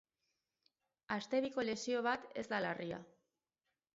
Aste biko lesio bat ez da larria.